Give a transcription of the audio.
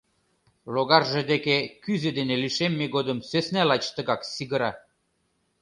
Логарже деке кӱзӧ дене лишемме годым сӧсна лач тыгак сигыра.